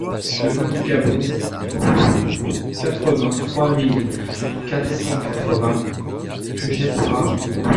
Chemin du Gabron, quatre-vingt-trois mille quatre cent quatre-vingts Puget-sur-Argens